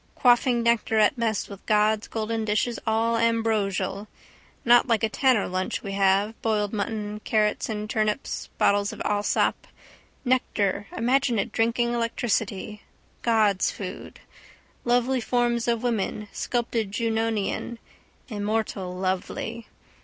Quaffing nectar at mess with gods golden dishes, all ambrosial. Not like a tanner lunch we have, boiled mutton, carrots and turnips, bottle of Allsop. Nectar imagine it drinking electricity: gods' food. Lovely forms of women sculped Junonian. Immortal lovely.